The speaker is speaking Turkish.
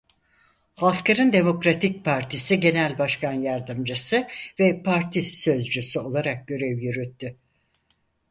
Halkların Demokratik Partisi genel başkan yardımcısı ve parti sözcüsü olarak görev yürüttü.